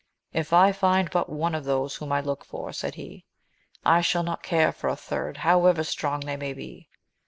If I find but one of those whom I look for, said he, I shall not care for a third, however strong they may be.